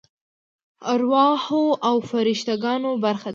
ارواحو او فرشته ګانو برخه ده.